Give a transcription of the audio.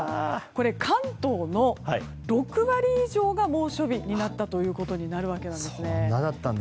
これは関東の６割以上が猛暑日になったということになるわけなんですね。